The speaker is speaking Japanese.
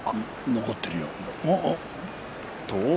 残っているよ。